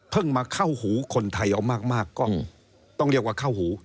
มาเข้าหูคนไทยเอามากก็ต้องเรียกว่าเข้าหู